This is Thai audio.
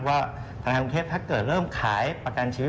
ว่าธนาคารกรุงเทพถ้าเกิดเริ่มขายประกันชีวิต